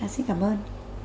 xin cảm ơn